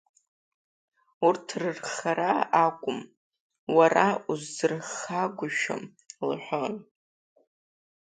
Урҭ рырххара акәым, уара усзырххагәышьом лҳәон.